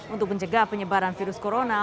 untuk mencegah penyebaran virus corona